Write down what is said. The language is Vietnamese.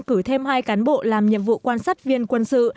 cử thêm hai cán bộ làm nhiệm vụ quan sát viên quân sự